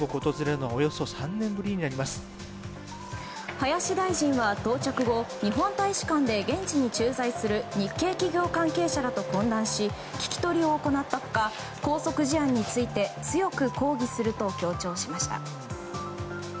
林大臣は到着後日本大使館で現地に駐在する日系企業関係者らと懇談し聞き取りを行った他拘束事案について強く抗議すると強調しました。